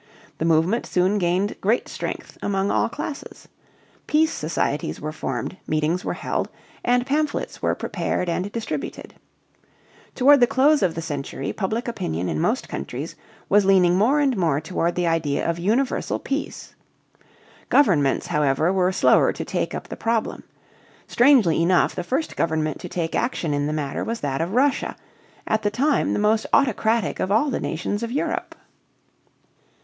The movement soon gained great strength among all classes. Peace societies were formed, meetings were held, and pamphlets were prepared and distributed. Toward the close of the century public opinion in most countries was leaning more and more toward the idea of universal peace. Governments, however, were slower to take up the problem. Strangely enough the first government to take action in the matter was that of Russia, at the time the most autocratic of all the nations of Europe.